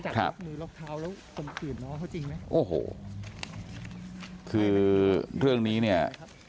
คือเรื่องนี้เนี่ย